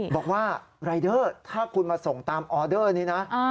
บอกว่ารายเดอร์ถ้าคุณมาส่งตามออเดอร์นี้นะ